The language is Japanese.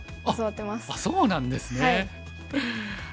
あっそうなんですね。